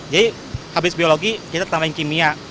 jadi habis biologi kita tambahin kimia